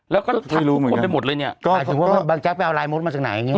แล้วก็ทักทุกคนไปหมดเลยเนี่ย